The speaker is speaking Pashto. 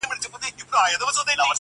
راته مخ کې د ښادیو را زلمي مو یتیمان کې!